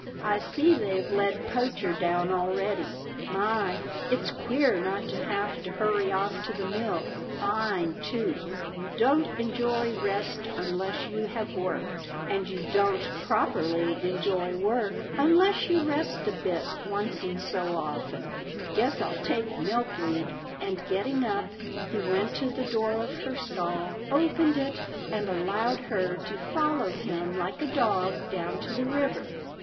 I see they've led Poacher down already. My ! it's queer not to have to hurry off to the mill. Fine too — you don't enjoy rest unless you have worked, and you don't properly enjoy work unless you rest a bit once in so often — Guess I'll take Milkweed," and getting up, he went to the door of her stall, opened it, and allowed her to follow him like a dog down to the river.